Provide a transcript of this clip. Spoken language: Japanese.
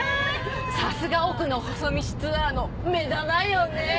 さすが奥の細道ツアーの目玉よね！